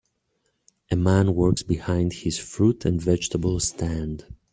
A man works behind his fruit and vegetable stand.